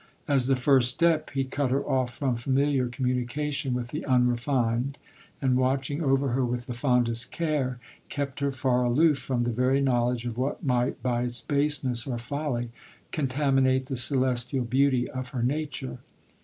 As the first step, he cut her off from familiar communica tion with the unrefined, and, watching over her with the fondest care, kept her far aloof from the very knowledge of what might, by its base ness or folly, contaminate the celestial beauty of her nature.